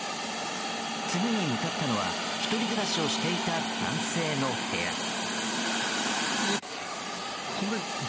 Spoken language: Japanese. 次に向かったのは１人暮らしをしていた男性の部屋。